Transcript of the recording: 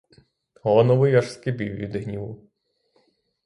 Лановий аж скипів від гніву.